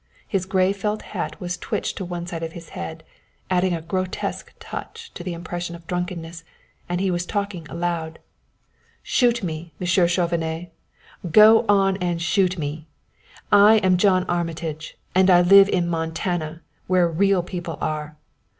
His gray felt hat was twitched to one side of his head, adding a grotesque touch to the impression of drunkenness, and he was talking aloud: "Shoot me, Mr. Chauvenet. Go on and shoot me! I am John Armitage, and I live in Montana, where real people are.